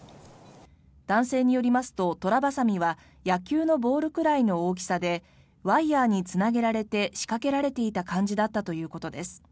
男性によりますと、トラバサミは野球のボールくらいの大きさでワイヤにつなげられて仕掛けられていた感じだったということです。